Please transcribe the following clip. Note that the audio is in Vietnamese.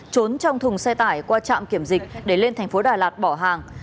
trốn trong thùng xe tải qua trạm kiểm dịch để lên thành phố đà lạt bỏ hàng